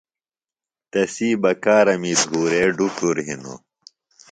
تسی بکارمی دُھورے ڈُکُر ہِنوۡ۔